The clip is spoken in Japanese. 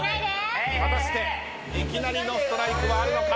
果たしていきなりのストライクはあるのか？